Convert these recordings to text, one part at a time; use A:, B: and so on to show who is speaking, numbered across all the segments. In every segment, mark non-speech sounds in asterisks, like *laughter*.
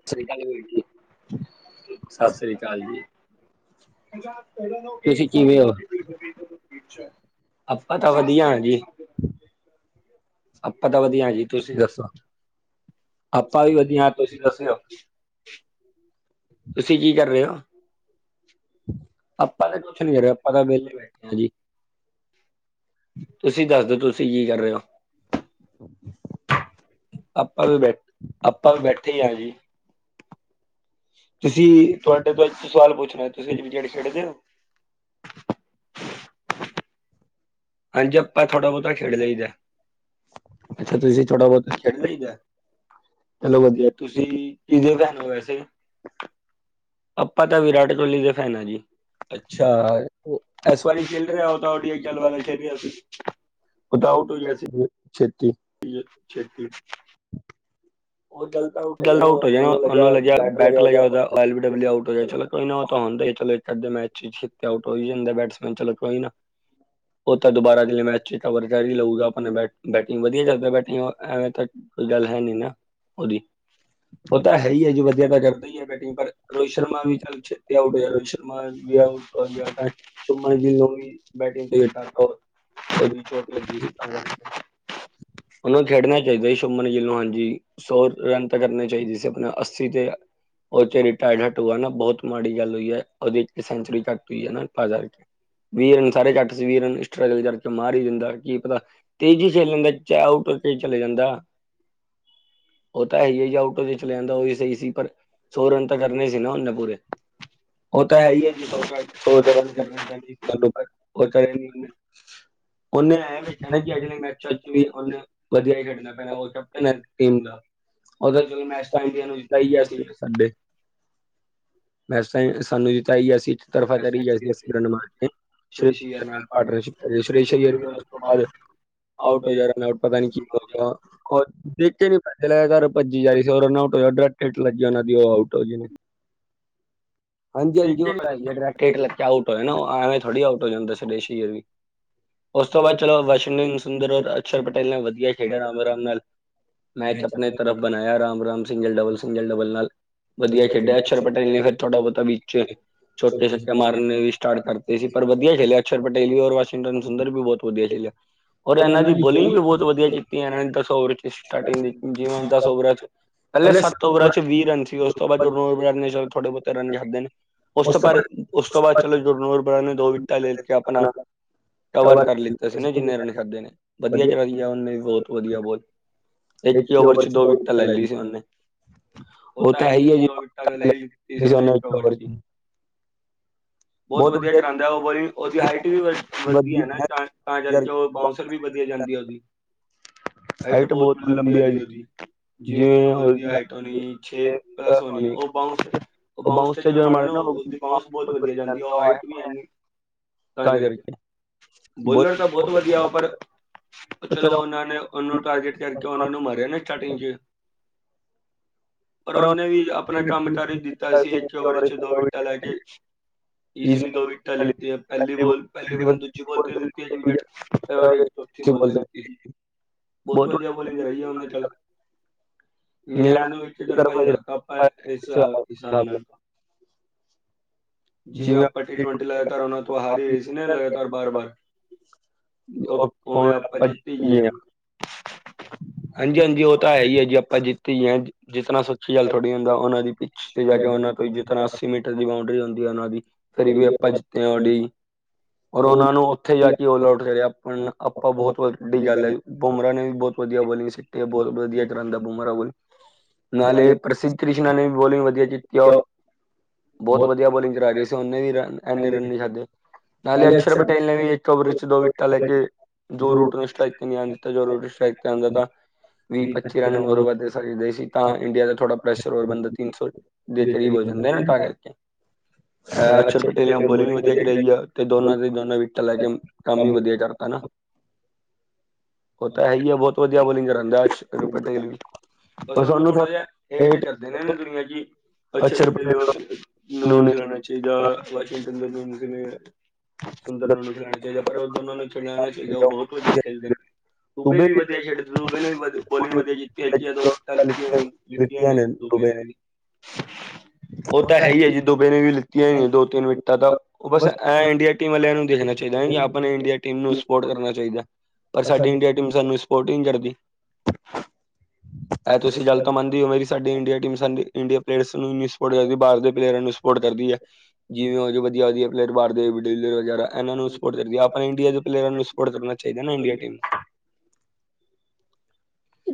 A: ਸਾਸ ਸ੍ਰੀ ਕਾਲ ਵੀਰ ਜੀ, ਸਾਸ ਸ੍ਰੀ ਕਾਲ ਜੀ। *unintelligible* ਅੱਛਾ ਆਪਾਂ ਤਾਂ ਵਧੀਆ ਆ ਜੀ।
B: *unintelligible*
A: ਆਪਾਂ ਤਾਂ ਵਧੀਆ ਜੀ ਤੁਸੀਂ ਦੱਸੋ ਆਪਾਂ ਵੀ ਵਧੀਆ ਤੁਸੀਂ ਦੱਸਿਓ। ਤੁਸੀਂ ਕੀ ਕਰ ਰਹੇ ਹੋ।
B: ਆਪਾਂ *unintelligible* ਆਪਾਂ ਤਾਂ ਵਿਹਲੇ ਬੈਠੇ ਆ ਜੀ।
A: ਤੁਸੀਂ ਦੱਸ ਦੋ ਤੁਸੀਂ ਕੀ ਕਰ ਰਹੇ ਹੋ।
B: *unintelligible*
A: ਆਪਾਂ ਵੀ ਬੈ ਆਪਾਂ ਵੀ ਬੈਠੇ ਹੀ ਹਾਂ ਜੀ। ਤੁਸੀਂ ਤੁਹਾਡੇ ਅੱਜ ਸਵਾਲ ਪੁੱਛਣਾ ਤੁਸੀਂ ਕ੍ਰਿਕਟ ਖੇਡਦੇ ਹੋ। ਹਾਂਜੀ ਆਪਾਂ ਥੋੜਾ ਬਹੁਤਾ ਖੇਡ ਲਈ ਦਾ ਤੁਸੀਂ ਥੋੜਾ ਬਹੁਤਾ ਖੇਡ ਲਈ ਦਾ। ਚਲੋ ਵਧੀਆ ਤੁਸੀਂ ਕਿਦੇ ਫੈਨ ਹੋ ਵੈਸੇ ਆਪਾਂ ਤਾਂ ਵਿਰਾਟ ਕੋਹਲੀ ਦੇ ਫੈਨ ਆ ਜੀ। ਅੱਛਾ ਇਸ ਵਾਰੀ ਖੇਲ ਰਿਹਾ ਉਹ ਡੀ ਚਲ ਵਾਲਾ ਚ *inaudible* ਹੋ ਗਿਆ ਸੀ।
B: ਛੇਤੀ।
A: ਛੇਤੀ। ਜਲਦ ਆਊਟ ਹੋ ਜਾ ਉਹਨੂੰ ਲੱਗਿਆ ਬੈਟ ਲਗਿਆ ਉਦਾ ਐਲ ਬੀ ਡਬਊ ਆਊਟ ਹੋ ਜਾ ਚਲੋ ਕੋਈ ਨਾ ਉਹ ਤਾਂ ਹੁੰਦਾ ਹੀ ਚਲ ਇੱਕ ਅੱਧੇ ਮੈਚ ਚ ਤੇ ਆਊਟ ਹੋਈ ਜਾਂਦਾ ਬੈਟਸਮੈਨ ਚਲੋ ਕੋਈ ਨਾ ਉਹ ਤਾਂ ਦੁਬਾਰਾ ਅਗਲੇ ਮੈਂਚ ਜੇ ਕਵਰ ਕਰ ਹੀ ਲਊਗਾ ਆਪਣੇ ਬੈਟਿੰਗ ਵਧੀਆ ਚੱਲ ਬੈਟਿੰਗ ਐਵੇਂ ਤਾਂ ਕੋਈ ਗੱਲ ਹੈ ਨੀ ਨਾ- ਉਹਦੀ ਉਹ ਤਾਂ ਹੈ ਹੀ ਹੈ ਜੋ ਵਧੀਆ ਤਾਂ ਕਰਦਾ ਹੀ ਹੈ ਬੈਟਿੰਗ ਪਰ ਰੋਹਿਤ ਸ਼ਰਮਾ ਵੀ ਤਾਂ ਛੇਤੀ ਆਊਟ ਹੋਇ ਰੋਹਿਤ ਸ਼ਰਮਾ ਵੀ ਆਊਟ ਸ਼ੁਭਮਨ ਗਿੱਲ ਉਹ ਵੀ ਬ *unintelligible* ਉਹਨੂੰ ਖੇਡਣਾ ਚਾਹੀਦਾ ਸੀ ਸ਼ੁਭਮਨ ਗਿੱਲ ਨੂੰ ਹਾਂਜੀ। ਸਕੋਰ ਰਨ ਤਾਂ ਕਰਨੇ ਚਾਹੀਦੇ ਜੇ ਆਪਣੇ ਅੱਸੀ ਤੇ ਉਹਥੇ ਰਿਟਾਇਰਡ ਹਟ ਨਾ ਬਹੁਤ ਮਾੜੀ ਗੱਲ ਹੋਈ ਹੈ ਉਹਦੀ ਸੈਂਚੁਰੀ ਘੱਟ ਹੋਈ ਹੈ ਨਾ ਤਾਂ ਕਰਕੇ ਵੀਰ ਸਾਰੇ ਝੱਟ ਸੀ ਵੀਰ ਨੂੰ ਸਟਰਗਲ ਕਰਕੇ ਮਾਰ ਹੀ ਦਿੰਦਾ ਕੀ ਪਤਾ ਤੇਜ਼ੀ ਸਹੀ ਰਹਿੰਦਾ ਚਾਹੇ ਆਊਟ ਹੋ ਕੇ ਚਲੇ ਜਾਂਦਾ। ਉਹ ਤਾਂ ਹੈ ਹੀ ਹੈ ਜ ਆਊਟ ਤੇ ਚਲੇ ਜਾਂਦਾ ਉਹਹੀ ਸਹੀ ਸੀ *inaudible* ਪਰ ਸੌ ਰਨ ਤਾਂ ਕਰਨੇ ਸੀ ਨਾ ਉਹਨੇ ਪੂਰੇ। ਉਹ ਤਾਂ ਹੈ ਹੀ ਆ *unintelligible* *inaudible* ਉਹਨੇ ਐਂ ਵੇਖਿਆ ਨਾ ਕਿ ਅਗਲੇ ਮੈਚਾਂ 'ਚ ਵੀ ਉਹਨੇ ਵਧੀਆ ਹੀ ਖੇਡਣਾ ਪੈਣਾ ਉਹ ਕੈਪਟਨ ਹੈ। *unintelligible* ਉਹਦੋਂ ਜਦੋਂ ਮੈਚ ਤਾਂ ਇੰਡੀਆ ਨੂੰ ਜਿੱਤਾ ਹੀ ਅਸੀਂ ਦੇਖ ਸਕਦੇ
B: ਵੈਸੇ ਤਾਂ ਜੀ ਸਾਨੂੰ ਵੀ ਤਾਈ ਆ ਸੀਟ ਤਰਫਾ-ਤਾਰੀ *unintelligible* ਆਊਟ ਹੋ ਜਾ ਰਨ ਆਊਟ ਪਤਾ ਨੀ ਚ ਨੀਚੇ ਨੂੰ ਭੱਜੇ ਲੈਣ ਭੱਜੀ ਜਾ ਰਹੇ ਸੌ ਰਨ ਆਊਟ ਹੋਓਗੇ ਜਾਣਾ ਦੀ ਉਹ ਆਊਟ ਹੋ ਜਾ ਨੇ
A: ਥੁਡ ਲਗ ਕੇ ਲੈ ਆਊਟ ਹੋ ਨਾ ਐਵੇਂ ਥੋੜ੍ਹੀ ਆਊਟ ਹੋ ਜਾਂਦਾ ਸਦੇਸ ਜੀ ਇਹ ਵੀ ਉਸ ਤੋਂ ਬਾਅਦ ਚਲੋ ਵਾਸ਼ਿੰਗਟਨ ਸੁੰਦਰ ਔਰ ਅਕਸ਼ਰ ਪਟੇਲ ਨੇ ਵਧੀਆ ਖੇਡਿਆ ਰਾਮ ਆਰਾਮ ਨਾਲ ਮੈਚ ਆਪਣੇ ਤਰਫ ਬਣਾਇਆ ਰਾਮ ਰਾਮ ਸਿੰਗਲ ਡਬਲ ਸਿੰਗਲ ਡਬਲ ਨਾਲ ਵਧੀਆ ਖੇਡਿਆ ਅਕਸ਼ਰ ਪਟੇਲ ਨੇ ਫਿਰ ਥੋੜ੍ਹਾ ਬਹੁਤਾ ਵੀ *unintelligible* ਚੌਕੇ ਛਿੱਕੇ ਮਾਰਨੇ ਨੇ ਵੀ ਸਟਾਰਟ ਕਰਤੇ ਸੀ ਪਰ ਵਧੀਆ ਚਲਿਆ ਅਕਸ਼ਰ ਪਟੇਲ ਵੀ ਔਰ ਵਾਸ਼ਿੰਗਟਨ ਸੁੰਦਰ ਵੀ ਬਹੁਤ ਵਧੀਆ ਚਲਿਆ। ਔਰ ਇਹਨਾਂ ਦੀ ਬੋਲਿੰਗ ਵੀ ਬਹੁਤ ਵਧੀਆ ਕੀਤੀ ਇਹਨਾਂ ਨੇ ਦਸ ਓਵਰ ਚ ਸਟਾਰਟਿੰਗ ਦੇ ਜਿਵੇਂ ਦਸ ਓਵਰਾਂ ਚ ਪਹਿਲੇ ਸਤ ਓਵਰਾਂ ਚ ਵੀਹ ਰਨ ਸੀ ਉਸ ਤੋਂ ਬਾਅਦ ਥੋੜੇ ਬਹੁਤੇ ਰਨਦੇ ਨੇ ਉਸ ਤੋਂ ਪਰ ਉਸ ਤੋਂ ਬਾਅਦ ਚਲੋ ਜੁਰਨੂਰਬੜ ਨੇ ਦੋ ਵਿਕਟਾਂ ਲੈ ਕੇ ਆਪਣਾ ਕਵਰ ਕਰ ਲਿੱਤਾ ਸੀ ਨਾ ਜਿੰਨੇ ਰਨ ਖਾਦੇ ਨੇ, ਵਧੀਆ ਚਲੀ ਗਿਆ ਬਹੁਤ ਵਧੀਆ ਬਹੁਤ ਇੱਕ ਹੀ ਓਵਰ ਚ ਦੋ ਵਿਕਟਾਂ ਲੈ ਲਈ ਸੀ ਉਹਨੇ। ਉਹ ਤਾਂ ਹੈ ਹੀ ਏ ਜੀ ਦੋ ਵਿਕਟਾਂ ਤਾਂ ਲੈ ਲਤੀ ਸੀ ਉਹਨੇ ਇੱਕੋ ਵਾਰੀ ਚ। ਬਹੁਤ ਵਧੀਆ ਚਲਾਉਦਾ ਉਹ ਬੋਲਿੰਗ ਉਹਦੀ ਹਾਈਟ ਵੀ ਵਧੀਆ ਹੈ ਨਾ ਤਾਂ ਕਰਕੇ ਉਹ ਬਸ ਫਿਰ ਵੀ ਵਧੀਆ ਜਾਂਦੀ ਹੈ ਉਹਦੀ
B: *inaudible*
A: ਹਾਈਟ ਬਹੁਤ ਲੰਬੀ ਹਾਈਟ ਆ ਜੀ ਉਹਦੀ, ਜਿਵੇਂ ਉਹਦੀ ਹਾਈਟ ਹੋਣੀ ਛੇ ਪਾਸੋਂ ਉਹ ਬਾ ਬਾਉਂਸ ਜਦੋਂ ਬਾਉਂਸ ਬਹੁਤ ਵਧੀਆ ਜਾਂਦੀ ਉਹ *unintelligible* ਤਾਂ ਕਰਕੇ *inaudible* ਬੋਲਣ ਤਾਂ ਬਹੁਤ ਵਧੀਆ ਵਾ ਪਰ ਅੱਛਾ ਚਲੋ ਉਹਨਾਂ ਨੇ ਉਹਨੂੰ ਟਾਰਗੇਟ ਕਰਕੇ ਉਹਨਾਂ ਨੂੰ ਮਰਿਆ ਨੇ ਸਟਾਰਟਿੰਗ ਚ, ਪਰ ਉਹਨੇ ਵੀ ਆਪਣਾ ਕੰਮ ਕਰ ਈ ਦਿੱਤਾ ਸੀ। ਇੱਕ ਓਵਰ ਚ ਦੋ ਵਿਕਟਾਂ ਲੈ ਕੇ ਈਜ਼ੀਲੀ ਦੋ ਵਿਕਟਾਂ ਲਿੱਤੀਆ ਹੈ ਪਹਿਲੀ ਬੋਲ ਪਹਿਲੀ ਪਤਾ ਦੂਜੀ ਬੋਲ ਤੇ ਲਿੱਤੀ ਹੈ ਵਿਕਟਾਂ ਦੂਜੀ ਬੋਲ ਦਿੱਤੀ ਸੀ। ਬਹੁਤ ਵਧੀਆ ਬੋਲਿੰਗ ਕਰਾਈ ਆ ਉਹਨਾਂ ਨੇ ਕੱਲ। ਇਗਲੈਂਡ ਨੂੰ ਇੱਕ ਤਰਫਾ ਕਰਤਾ ਇਸ ਹਿਸਾਬ ਨਾਲ ਜਿਵੇਂ ਆਪਾਂ ਟੀ ਟਵੈਂਟੀ ਲਗਾਤਾਰ ਉਹਨਾਂ ਤੋਂ ਹਾਰੀ ਹੀ ਰਹੀ ਸੀ ਨਾ ਲਗਾਤਾਰ ਬਾਰ-ਬਾਰ। ਉਹ ਉਵੇਂ ਆਪਾਂ ਜੀ ਹਾਂਜੀ-ਹਾਂਜੀ ਉਹ ਤਾਂ ਹੈ ਹੀ ਹੈ ਜੇ ਆਪਾਂ ਜਿੱਤੇ ਹੀ ਹਾਂ ਅੱਜ ਜਿੱਤਨਾ ਸੌਖੀ ਗੱਲ ਥੋੜ੍ਹੀ ਹੁੰਦਾ ਉਹਨਾਂ ਦੀ ਵੀ
B: ਜ *unintelligible*
A: ਜਿਸ ਤਰ੍ਹਾਂ ਅੱਸੀ ਮੀਟਰ ਦੀ ਬਾਂਡਰੀ ਹੁੰਦੀ ਉਹਨਾਂ ਦੀ ਫਿਰ ਵੀ ਆਪਾਂ ਜਿੱਤੇ ਹਾਂ ਉਹਡੀ ਔਰ ਉਹਨਾ ਨੂੰ ਉੱਥੇ ਜਾ ਕੇ ਓਲ ਆਊਟ ਕਰਿਆ ਆਪ ਆਪਾਂ ਬਹੁਤ ਵੱਡੀ ਗੱਲ ਹੈ ਬੁਮਰਾ ਨੇ ਵੀ ਬਹੁਤ ਵਧੀਆ ਬੋਲਿੰਗ ਸਿੱਟੀ, ਬਹੁਤ ਵਧੀਆ ਚਰੰਦਾ ਬੁਮਰਾ ਬੋਲ। ਨਾਲੇ ਪ੍ਰਸਿੱਧ ਕ੍ਰਿਸ਼ਨਾ ਨੇ ਵੀ ਬੋਲਿੰਗ ਵਧੀਆ ਕੀਤੀ ਆ ਬਹੁਤ ਵਧੀਆ ਬੋਲਿੰਗ ਕਰਾਗੇ ਸੀ ਉਹਨੇ ਵੀ ਇੰਨੇ ਰਨ ਨੀ ਛਡੇ, ਨਾਲੇ ਅਕਸ਼ਰ ਪਟੇਲ ਨੇ ਵੀ ਸਟੋਬਰੀ ਚ ਦੋ ਵਿਕਟਾਂ ਲੈ ਕੇ ਜੋ ਰੂਟ ਨੂੰ ਸਟ੍ਰਾਈਕ ਤੇ ਨੀ ਆਉਣ ਦਿੱਤਾ ਜੋ ਰੂਟ ਸਟ੍ਰਾਈਕ ਤੇ ਆਂਦਾਤਾ ਵੀਹ ਪੱਚੀ ਰਨ ਓਰ ਵਰ ਦੇ ਸਕਦੇ ਸੀ ਤਾਂ ਇੰਡੀਆ ਦਾ ਥੋੜਾ ਪ੍ਰੈਸ਼ਰ ਹੋਰ ਬੰਦਾ ਤਿੰਨ ਸੌ ਕਰੀਬ ਹੋ ਜਾਂਦੇ ਨਾ ਤਾਂ ਕਰਕੇ ਅ ਅਕਸ਼ਰ ਪਟੇਲ ਨੇ ਬੜੀ ਵਧੀਆਂ ਚਲਾਈ ਆ ਤੇ ਦੋਨਾਂ ਤੇ ਦੋਨਾਂ ਵਿਕਟਾਂ ਲੈਕੇ ਕੰਮ ਵੀ ਵਧੀਆਂ ਕਰਤਾ ਨਾ। ਉਹ ਤਾਂ ਹੈ ਹੀ ਹੈ ਬਹੁਤ ਵਧੀਆਂ ਬੋਲੀਗਂ ਕਰਾਂਦਾ ਐ ਆਕਸਰ ਪਟੇਲ ਵੀ। ਬਸ ਉਹਨੂੰ ਥੋੜ੍ਹਾ ਹਜਾ ਹੇਟ ਕਰਦੇ ਨੇ ਇਹ ਦੁਨੀਆਂ ਜੀ ਅੱਛਰ ਪਟੇਲ ਨੂੰ ਨਹੀਂ ਚਲਾਣਾ ਚਾਹੀਦਾ ਵਾਸ਼ਿੰਗਟਨ *unintelligible* ਸੁੰਦਰਨਾਂ ਨੂੰ ਖਲਾਣਾ ਚਾਹੀਦਾ ਪਰ ਉਹ ਦੋਨਾਂ ਨੂੰ ਖੇਲਦੇ ਨੇ ਚਾਹੀਦਾ ਉਹ ਬਹੁਤ ਵਧੀਆਂ ਖੇਲਦੇ ਨੇ। ਦੂਬੇ ਵੀ ਵਧੀਆਂ ਖੇਡਦੇ ਦੂਬੇ ਵੀ ਨੀ ਬੋਲੀਂਗ ਵਧੀਆਂ ਕੀਤੀ ਹੈਗੀ *unintelligible*
B: ਵਧੀਆਂ ਨੇ ਦੁਬੇ
A: ਉਹ ਤਾਂ ਹੈ ਹੀ ਹੈ ਜੀ ਦੁਬੇ ਨੇ ਵੀ ਲਿੱਤੀਆਂ ਹੋਈਆਂ ਦੋ ਤਿੰਨ ਵਿਕਟਾਂ ਤਾਂ। ਉਹ ਬਸ ਐ ਇੰਡੀਆ ਟੀਮ ਵਾਲਿਆਂ ਨੂੰ ਦੇਖਣਾ ਚਾਹੀਦਾ ਨਾ ਆਪਣੇ ਇੰਡੀਆ ਟੀਮ ਨੂੰ ਸਪੋਰਟ ਕਰਨਾ ਚਾਹੀਦਾ। ਪਰ ਸਾਡੀ ਇੰਡੀਆ ਟੀਮ ਸਾਨੂੰ ਸਪੋਰਟ ਈ ਨ੍ਹੀਂ ਕਰਦੀ। ਇਹ ਤੁਸੀਂ ਗੱਲ ਤਾਂ ਮੰਨਦੇ ਹੋਵੇੇਰੀ ਸਾਡੀ ਇੰਡੀਆਂ ਟੀਮ ਸਾਡੀ ਇੰਡੀਆਂ ਦੇਸ ਨੂੰ ਈ ਨੀ ਸਪੋਰਟ ਕਰਦੀ ਬਾਰ ਦੇ ਪਲੇਅਰਾਂ ਨੂੰ ਸਪੋਰਟ ਕਰਦੀ ਐ। *unintelligible* ਵਗੈਰਾ ਇਹਨਾਂ ਨੂੰ ਸਪੋਰਟ ਕਰਦੀ ਆਪਣੇ ਇੰਡੀਆਂ ਦੇ ਪਲੇਅਰ ਨੂੰ ਸਪੋਰਟ ਸਪੋਰਟ ਕਰਨਾ ਚਾਹੀਦਾ ਚਹੀਦਾ ਨਾ ਇੰਡੀਆਂ ਟੀਮ।
B: *inaudible*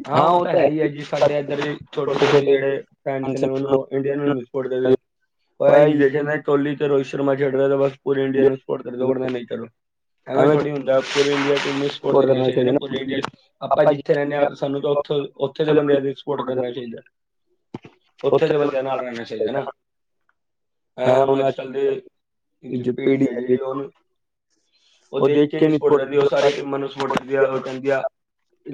A: ਹਾਂ ਉਹ ਤਾਂ ਹੈ ਹੀ ਹੈ ਜੀ ਸਾਡੇ ਇੱਧਰ ਛੋਟੇ ਛੋਟੇ ਜਿਹੜੇ ਫੈਨਸ ਇੰਡੀਆਂ ਨੂੰ ਈ ਨੀ ਸਪੋਟ ਕਰਦੇ *inaudible* ਐਵੇਂ ਥੋੜ੍ਹੀ ਹੁੰਦਾ ਪੂਰੇ ਇੰਡੀਆਂ ਚ ਮ ਸਪੋਟ ਕਰਨਾ ਚਾਹੀਦਾ ਨਾ, ਪੂਰੇ ਇੰਡੀਆਂ ਆਪਾਂ ਜਿੱਥੇ ਰਹਿਣੇ ਆ ਸਾਨੂੰ ਤਾਂ ਉੱਥੋਂ ਉੱਥੇ ਦੇ ਬੰਦੇ ਦੀਆਂ ਸਪੋਟ ਕਰਨਾ ਚਾਹੀਦਾ, ਉੱਥੇ ਦੇ ਬੰਦਿਆਂ ਨਾਲ਼ ਰਹਿਣਾ ਚਾਹੀਦਾ ਨਾ। ਇਹ ਹੁਣ ਅੱਜ ਕੱਲ੍ਹ ਦੇ, ਪੀੜ੍ਹੀ ਏ ਜਿਹੜੀ ਓਨੂੰ ਉਹ ਦੇਖ ਕੇ ਨੀ ਸਪੋਟ ਕਰਦੀ ਐ ਉਹ ਸਾਰੀ ਟੀਮਾਂ ਨੂੰ ਸਪੋਟ ਕਰਦੀ ਆ ਉਹ ਜਾਂਦੀ ਆ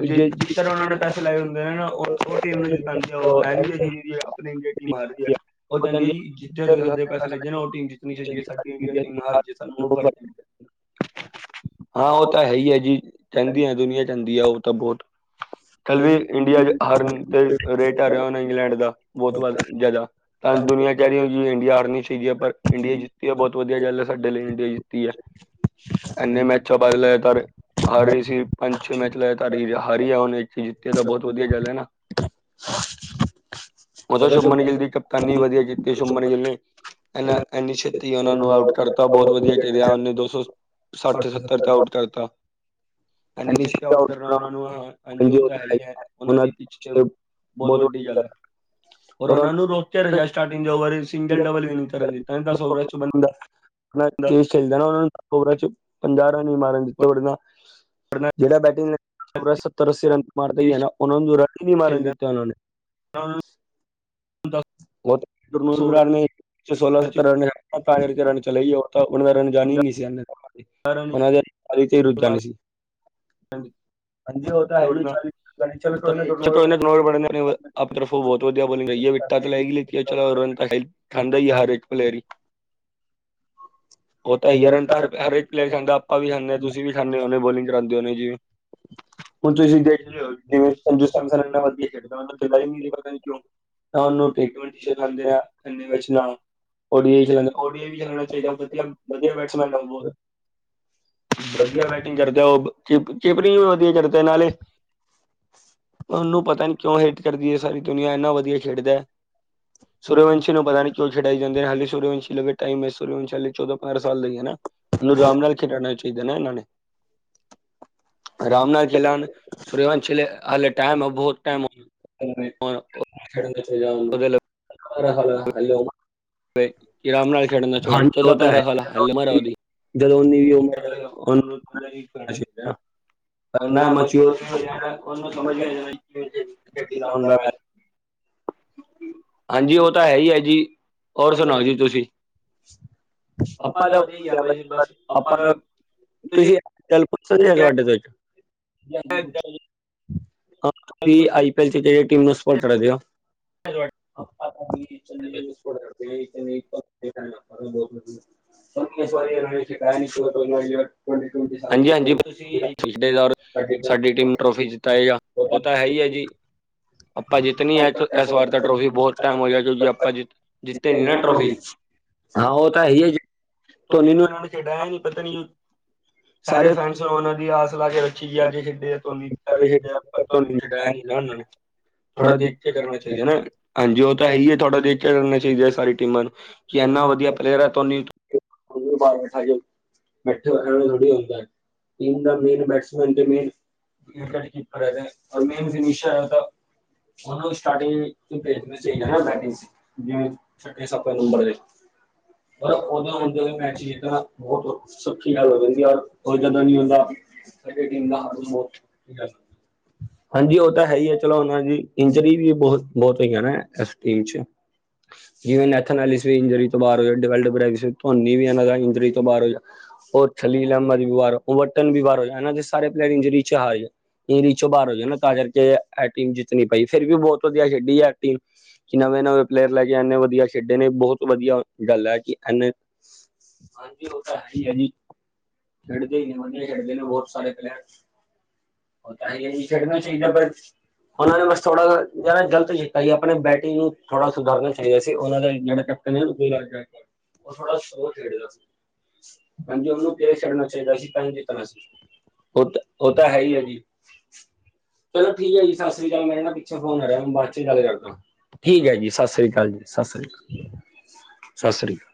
A: ਜੇ ਜਿਸ ਤਰ੍ਹਾਂ ਉਹਨਾਂ ਨੇ ਪੈਸੇ ਲਾਏ ਹੁੰਦੇ ਨੇ ਨਾ ਉਹ ਉਹ ਟੀਮ ਨੂੰ ਜਤਾਂਦੇ ਉਹ ਏ ਨੀ ਹੈਂਗੀ ਜੇ ਆਪਣੀ ਇੰਡੀਆਂ ਟੀਮ ਹਾਰਦੀ ਐ, ਉਹ ਕਹਿੰਦੀ ਏ ਜੀ ਰਲ ਦੇ ਪੈਸੇ ਲੱਗੇ ਨੇ ਉਹ ਟੀਮ ਜਿੱਤਣੀ ਚਾਹੀਦੀ ਆ ਸਾਡੀ ਕੀ ਇੰਡੀਆਂ ਟੀਮ ਹਾਰ ਜੇ ਤਾ ਬੋਤ ਫ਼ਰਕ ਪੈਦਾ ਹਾਂ ਉਹ ਤਾਂ ਹੈ ਈ ਐ ਜੀ, ਚਹਿੰਦੀ ਆ ਦੁਨੀਆਂ ਆਂਦੀ ਆ ਉਹ ਤਾਂ ਬਹੁਤ ਕੱਲ੍ਹ ਵੀ ਇੰਡੀਆਂ ਚ ਹਾਰਨ ਤੇ ਰੇਟ ਆ ਰਿਹਾ ਹੋਣਾ ਇੰਗਲੈਂਡ ਦਾ ਬਹੁਤ ਵੱਧ ਜ਼ਿਆਦਾ ਤਾਂ ਦੁਨੀਆਂ ਚਾਅ ਰੀ ਹੈਗੀ ਇੰਡੀਆਂ ਹਾਰਨੀ ਚਾਹੀਦੀ ਐ ਪਰ ਇੰਡੀਆ ਜਿੱਤੀ ਐ ਬਹੁਤ ਵਧੀਆ ਗੱਲ ਐ ਸਾਡੇ ਲਈ ਇੰਡੀਆ ਜਿੱਤੀ ਐ।
B: *inaudible*
A: ਇੰਨੇ ਮੈਚਾਂ ਬਾਦ ਲਿਆਏ ਤਾਰੇ ਹਾਰ ਰਹੀ ਸੀ ਪੰਜ ਛੇ ਮੈਚ ਲਏ ਤਾ ਹਾਰੀ ਏ ਹੁਣ ਇੱਕ ਚ ਜਿੱਤੀਆਂ ਤਾਂ ਬਹੁਤ ਵਧੀਆਂ ਗੱਲ ਐ ਨਾ
B: *inaudible*
A: ਮਤਲਬ ਸ਼ੁੰਮਨੀ ਗਿੱਲ ਦੀ ਕਪਤਾਨੀ ਵਧੀਆਂ ਕੀਤੀ ਸ਼ੁੰਮਨ ਗਿੱਲ ਨੇ ਇੰਨਾ ਇੰਨੀ ਤੇ ਉਹ ਨੂੰ ਆਊਟ ਕਰਤਾ ਬਹੁਤ ਵਧੀਆਂ ਘੇਲਿਆ ਉਹਨੇ ਦੋ ਸੌ ਸੱਠ ਸੱਤਰ ਤੇ ਆਊਟ ਕਰਤਾ, ਐਨੀ ਛੇਤੀ ਆਊਟ ਕਰਨਾ ਉਹਨਾਂ ਨੂੰ ਹਾਂਜੀ ਉਹ ਤਾਂ ਹੈ ਈ ਐ ਉਹਨਾਂ ਦੀ ਪਿੱਛ ਤੇ, ਬਹੁਤ ਵੱਡੀ ਗੱਲ ਐ ਅਰ ਉਨਾ ਨੂੰ ਰੋਕਿਆ *unintelligible* ਦੋ ਵਾਰੀ ਸਿੰਗਲ ਸਟਾਟੀਗ *unintelligible*
B: ਆਪਣਾ ਦੇਸ਼ *unintelligible* ਪੰਜਾਹ ਰਨ ਨੀ ਮਾਰਨ ਦਿੰਤੇ ਫੇਰ ਤਾ, ਜਿਹੜਾ ਬੇਟੀਗ ਓਰਾਂ ਸੱਤਰ ਅੱਸੀ ਰਨ ਮਾਰਦੇ ਈ ਐ ਨਾ ਉਹਨਾਂ ਨੂੰ ਜਦੋਂ ਰਨ ਈ ਨੀ ਮਾਰਨ ਦਿੱਤਾ ਉਹਨਾਂ ਨੇ
A: *inaudible*
B: *unintelligible* ਸੋਲਾ ਸੰਤਰਾ ਰਨ, ਤਾ ਕਰਕੇ ਰਨ ਚਲੇ ਗਏ ਔ। *unintelligible* ਜਾਣੀ ਨੀ ਸੀ *unintelligible*
A: ਪਰ ਓਨੂੰ
B: *inaudible*
A: ਹਾਂਜੀ,
B: ਹਾਂਜੀ ਓਹ ਤਾਂ ਹੈ ਚ *unintelligible*
A: *inaudible* ਚਲੋ ਤਾਂ ਰੰਨ ਤਾਂ ਖਾਂਦਾ ਈ ਐ ਹਰ ਇੱਕ ਪਲੇਅਰ ਈ ਉਹ ਤਾਂ ਰਨ ਤਾਂ ਹਰ ਇੱਕ ਪਲੇਅਰ ਖਾਂਦਾ ਆਪਾਂ ਵੀ ਖਾਨੇ ਆ ਤੁਸੀਂ ਵੀ ਖਾਂਨੇ ਔ ਬੋਲਿੰਗ ਕਰਾਦੇ ਹੋ ਜਿਵੇ ਹੁਣ ਤੁਸੀਂ ਦੇਖਦੇ ਓ ਜਿਵੇਂ ਸੰਜੂ *unintelligible* ਸਾਰਿਆ ਤੋਂ ਵਧੀਆ ਖੇਡਦਾ ਓਹਨੂੰ ਤਾਂ ਲੈ ਈ ਨੀ ਰਏ ਪਤਾ ਨੀ ਕਿਉਂ *inaudible* ਓਹ ਵੀ ਐਵੀਂ ਦੇਖਣਾ ਚਾਹੀਦਾ ਵਧੀਆ ਵਧੀਆ ਬੈਟਸਮੈਨ ਆਓਗਾ। ਵਧੀਆ ਬੈਟਿੰਗ ਕਰਦਾ ਉਹ ਚਿਕ ਚਿਕ ਨੀ ਵਧੀਆ ਕਰਦਾ। ਦੇ ਨਾਲੇ, ਉਹਨੂੰ ਪਤਾ ਨੀ ਕਿਉਂ ਹੇਟ ਕਰਦੀ ਏ ਸਾਰੀ ਦੁਨੀਆਂ ਇੰਨਾ ਵਧੀਆ ਖੇਡਦਾ ਐ, ਸੂਰਯਵੰਸ਼ੀ ਨੂੰ ਪਤਾ ਨੀ। ਖਿਡਾਈ ਜਾਂਦੇ ਆ ਹਾਲੇ ਸੂਰਵੰਸ਼ੀ ਲਵੇ ਟਾਈਮ ਐ ਸੂਰਵੰਸ਼ ਹਾਲੇ ਚੌਦਾਂ ਪੰਦਰਾਂ ਸਾਲ ਲਈ ਹੈ ਨਾ, ਉਹਨੂੰ ਅਰਾਮ ਨਾਲ ਖੇਡਾਣਾ ਚਾਹੀਦਾ ਨਾ ਇਹਨਾਂ ਨੇ
B: *unintelligible*
A: ਜੇ ਲਾਂ ਮੈਂ ਸੂਰੇਵੰਸ਼ੀ ਲੇ ਹਾਲੇ ਟੈਮ ਆ ਬੋਤ ਟੈਮ ਓ ਹੋਨ
B: ਪਤਾ ਨੀ ਕਿੱਥੇ ਜਾਨਾ ਤੂੰ, ਖਾਨਾ ਖਾ ਲੈ *unintelligible*
A: ਲੇ ਕਿ ਰਾਮ ਨਾਲ ਖੇਡਨਾ *unintelligible* ਚੌਦਾਂ-ਪੰਦਰਾਂ ਸਾਲਾ ਹੱਲੇ ਉਮਰ ਐ ਓਦੀ।
B: ਜਦੋਂ ਓਂਦੀ
A: *unintelligible* ਐਨਾਂ ਮਚਿਯੋਰ ਨੀ ਹੋਜੇ ਹੈਂਗੈ ਓਨੂੰ ਸਮਝ ਵੀ ਆ ਜਾਨੈ ਕਿਵੇਂ ਖੇਡੀ, ਖੇਡੀ ਦਾ ਹੁੰਦੈ ਮੈਚ। ਹਾਂਜੀ ਓ ਤਾਂ ਹੈ ਈ ਐ ਜੀ। ਔਰ ਸੁਨਾਓ ਜੀ ਤੁਸੀਂ?
B: ਆਪਾ ਤੋਂ ਕੈਮਰਾ ਕੀਤਾ *unintelligible* ਆਪਾਂ ਤੇ ਤੁਸੀਂ ਇੱਕ ਗੱਲ ਪੁੱਛਨੀ ਐ ਤੁਆਡੇ ਤੋਂ ਏੱਕ। ਜੀ ਹਾਂਜੀ, ਪੁੱਛੋ ਜੀ। ਤੁਸੀਂ ਆਈ ਪੀ ਐਲ 'ਚ ਕੇੜੀ ਟੀਮ ਨੂੰ ਸਪੋਰਟ ਕਰ ਦੇ ਓ? *unintelligible* *unintelligible* ਏਨਾਂ ਨੇ ਸਿਖਾਇਆ ਨੀ *unintelligible*
A: ਹਾਂਜੀ-ਹਾਂਜੀ, ਬਸ ਏਈ ਆ ਚੀਜ *unintelligible* ਸਾਡੀ ਟੀਮ ਨੂੰ ਟ੍ਰੋਫੀ ਜਿਤਾਏਗਾ। ਓ ਤਾਂ ਹੈ ਈ ਏ ਜੀ। ਆਪਾਂ ਜਿੱਤਨੀ ਐ ਐਕਸ ਐਸ ਵਾਰ ਤਾਂ ਟ੍ਰੋਫੀ ਬੋਹੋਤ ਟੈਮ ਹੋ ਗਿਆ ਕਿਉਂਕਿ ਆਪਾਂ ਜਿੱਤ ਜਿੱਤੇ ਨੀ ਨਾ ਟ੍ਰੋਫੀ।
B: ਹਾਂ ਓ ਤਾਂ ਹੈ ਈ ਏ ਜੀ।
A: ਧੋਨੀ ਨੂੰ ਐਨਾਂ ਨੇ ਖਿਡਾਇਆ ਈ ਨੀ ਪਤਾ ਨੀ ਯੁ, ਸਾਰੇ ਫੈਨਸ ਨੂੰ ਓਨਾਂ ਦੀ ਆਸ ਲਾ ਕੇ ਠੀਕ ਐ ਅੱਜ ਖੇਡੇ ਐ ਧੋਨੀ *unintelligible* ਪਤਾ ਨੀ ਖਿਡਾਇਆ ਨੀ ਨਾ ਓਨਾਂ ਨੇ, ਥੋੜਾ ਦੇ ਖ ਕੇ ਕਰਨਾ ਚਾਈਦੈ ਨਾ। ਹਾਂਜੀ ਓ ਤਾਂ ਹੈ ਈ ਏ, ਥੋੜਾ ਦੇਖ ਕੇ ਕਰਨਾ ਚਾਈਦੈ ਸਾਰੀ ਟੀਮਾਂ ਨੂੰ ਕਿ ਐਨਾ ਵਧੀਆ ਪਲੇਅਰ ਐ ਧੋਨੀ
B: ਓਨੂੰ ਬਾਹਰ ਬੈਠਾ ਕੇ ਬੈਠੇ ਹੋਏ ਓਨਾਂ ਨੂੰ ਥੋੜੀ ਹੁੰਦੈ। ਟੀਮ ਦਾ ਮੇਨ ਬੈਟਸਮੈਨ ਤੇ ਮੇਨ ਇਨਫੈਕਟ ਕੀ ਪ੍ਰੈਜਂਸ ਔਰ ਮੇਨ ਫਿਨਿਸ਼ਾ ਐ ਓਦਾ ਓਨਾਂ ਨੂੰ ਸਟਾਰਟਿੰਗ ਈ ਭੇਜਨਾ ਚਾਈਦੈ ਨਾ ਬੈਟਿੰਗ 'ਚ *unintelligible* ਛਟੇ ਸੱਤਵੇਂ ਨੰਬਰ ਤੇ, ਬਾਦ ਓਦੇ ਹੂਨ ਜੈਵੇਂ ਮੈਚ ਜਿੱਤਨਾ ਬੋਹੋਤ ਸੌਖੀ ਗੱਲ ਹੋ ਜਾਂਦੀ ਆ ਔਰ ਓ ਜਾਦਾਂ ਨੀ ਹੁੰਦਾ ਸਾਡੀ ਟੀਮ ਦਾ ਹਾਲ *unintelligible* ਹਾਂਜੀ ਓ ਤਾਂ ਹੈ ਈ ਏ ਚਲੋ ਓਨਾਂ ਦੀ ਇੰਜਰੀ ਵੀ ਬੋਹੋਤ ਬੋਤ ਹੈਗੀਐਂ ਨਾ ਐਸ ਟੀਮ 'ਚ। ਜਿਵੇਂ ਨੈਥਨ ਐਲੀਸ ਵੀ ਇੰਜਰੀ ਤੋੰ ਬਾਰ ਡਿਵੈਲਡਬਰਾਈਸ ਧੋਨੀ ਵੀ ਐਨਾਂ ਦਾ ਇੰਜਰੀ ਤੋਂ ਬਾਰ ਹੋ ਜਾ। ਓ ਥਲੀਲ ਅਹਿਮਦ ਵੀ ਬਾਰ, ਓਵਾਰਟਨ ਵੀ ਬਾਰ ਹੋ ਜਾਂ। ਐਨਾਂ ਦੇ ਸਾਰੇ ਪਲੇਅਰ ਇੰਜਰੀ 'ਚ *unintelligible* ਇੰਜਰੀ 'ਚੋ ਬਾਰ ਹੋ ਗਏ ਨਾ ਤਾਂ ਕਰਕੇ ਐ ਟੀਮ ਜਿੱਤ ਨੀ ਪਾਈ। ਫੇਰ ਵੀ ਓ ਬੋਤ ਵਧੀਆ ਖੇਡੀ ਐ, ਐ ਟੀਮ। ਕਿ ਨਵੇਂ-ਨਵੇਂ ਪਲੇਅਰ ਲੈ ਕੇ ਐਨੇ ਵਧੀਆ ਖੇਡੇ ਨੇ। ਬੋਹੋਤ ਵਧੀਆ ਗੱਲ ਐ ਕਿ ਐਨੇਂ ਹਾਂਜੀ ਓ ਤਾਂ ਹੈ ਈ ਐ ਜੀ। ਖੇਡਦੇ ਈ ਨੇ ਓ ਵਧੀਆ ਈ ਖੇਡਦੇ ਨੇ ਬੋਤ ਸਾਰੇ ਪਲੇਅਰਸ ਓ ਤਾਂ ਹੈ ਈ ਏ ਜੀ ਖੇਡਨਾ ਚਾਈਦੈ ਬਸ ਹੋਨਾਂ ਨੇ ਬਸ ਥੋੜਾ ਜਾ ਬੜਾ ਗਲਤ ਕੀਤਾ ਕਿ ਆਪਨੇ ਬੈਟਿੰਗ ਨੂੰ ਥੋੜਾ ਸੁਧਰਨਾ ਚਾਈਦੈ ਸੀ ਓਨਾਂ ਦਾ ਜੜਾ ਕ *unintelligible* ਓ ਥੋੜਾ ਸ਼ਲੌ ਖੇਡਦਾ ਸੀ। ਹਾਂਜੀ ਓਨੂੰ ਕਿਵੇਂ ਖੇਡਨਾ ਚਾਈਦਾ ਸੀ ਤਾਂਈ ਜਿੱਤਨਾ ਸੀ *unintelligible* ਓ ਤ, ਓ ਤਾਂ ਹੈ ਈ ਏ ਜੀ। ਚਲੋ ਠੀਕ ਐ ਜੀ ਸਸ ਸ੍ਰੀ ਕਾਲ। ਮੇਰੇ ਨਾ ਪਿੱਛੋਂ ਫੋਨ ਆ ਰਿਐ ਮੈਂ ਬਾਦ 'ਚ ਗੱਲ ਕਰਦਾ। ਠੀਕ ਐ ਜੀ ਸਾਸ ਸ੍ਰੀ ਕਾਲ ਜੀ, ਸਾਸ ਸ੍ਰੀ ਕਾਲ। ਸਾਸ ਸ੍ਰੀ ਕਾ